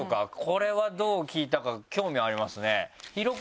これはどう聞いたか興味ありますね広子